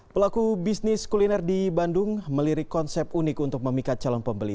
pelaku bisnis kuliner di bandung melirik konsep unik untuk memikat calon pembeli